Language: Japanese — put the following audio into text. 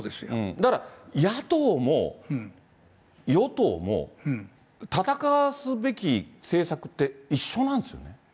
だから野党も与党も戦わすべき政策って一緒なんですよね。